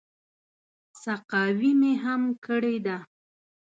سقاوي مې هم کړې ده.